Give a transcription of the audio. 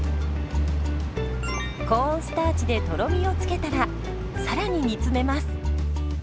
コーンスターチでとろみを付けたらさらに煮詰めます。